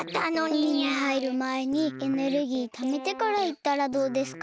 うみにはいるまえにエネルギーためてからいったらどうですか？